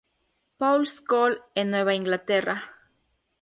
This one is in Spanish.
Paul's School en Nueva Inglaterra.